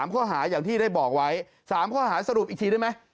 ข้อหาอย่างที่ได้บอกไว้๓ข้อหาสรุปอีกทีได้ไหม